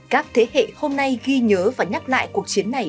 các thế hệ hôm nay ghi nhớ và nhắc lại cuộc chiến này